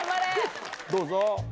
どうぞ。